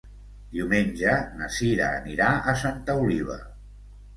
Diumenge na Cira anirà a Santa Oliva.